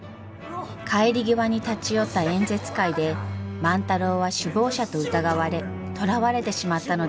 帰り際に立ち寄った演説会で万太郎は首謀者と疑われ捕らわれてしまったのです。